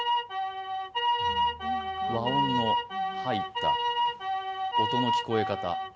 和音の入った音の聞こえ方。